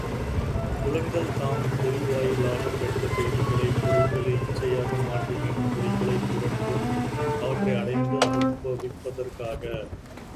புலன்கள், தாம் பொறிவாயிலாகப் பெற்ற செய்திகளை, பொருள்களை இச்சையாக மாற்றி மீண்டும் பொறிகளைத் துரண்டும் அவற்றை அடைந்து அனுபவிப்பதற்காக!